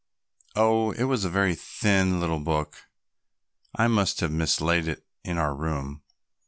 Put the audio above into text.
"Oh, it was a very thin little book; I must have mislaid it in our room.